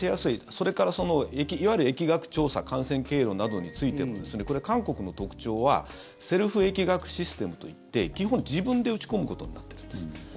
それから、いわゆる疫学調査感染経路などについても韓国の特徴はセルフ疫学システムといって基本、自分で打ち込むことになっているんです。